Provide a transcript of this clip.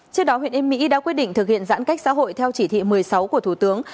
trước đó huyện yên mỹ đã quyết định thực hiện giãn cách xã hội theo chỉ thị một mươi sáu của thủ tướng